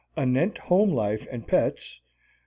Anent home life and pets: No.